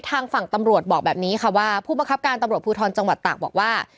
ทางฝั่งตำรวจบอกแบบนี้ค่ะว่าผู้บังคับการตำรวจภูทรจังหวัดตากบอกว่า